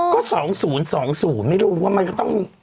ก็๒๐๒๐ไม่รู้ว่ามันก็ต้อง